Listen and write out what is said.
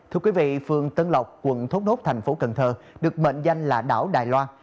thưa quý vị phường tân lộc quận thốt nốt tp cn được mệnh danh là đảo đài loan